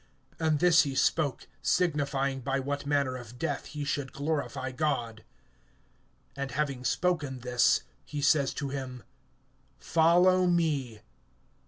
(19)And this he spoke, signifying by what manner of death he should glorify God. And having spoken this, he says to him: Follow me.